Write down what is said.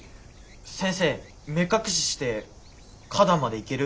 先生目隠しして花壇まで行ける？